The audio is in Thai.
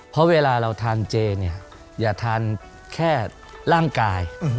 เพราะเวลาเราทานเจเนี่ยอย่าทานแค่ร่างกาย